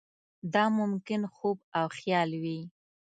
دا ممکن خوب او خیال وي.